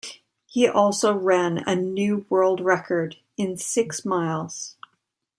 He also ran a new world record in six miles.